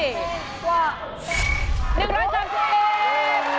แพงกว่าแพงกว่าแพงกว่าแพงกว่า